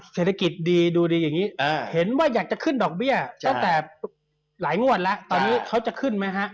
เศรษฐกิจดีดูดีอย่างนี้เห็นว่าอยากจะขึ้นดอกเบี้ยตั้งแต่หลายงวดแล้วตอนนี้เขาจะขึ้นไหมฮะ